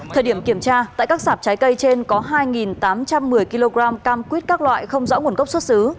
thời điểm kiểm tra tại các sạp trái cây trên có hai tám trăm một mươi kg cam quýt các loại không rõ nguồn gốc xuất xứ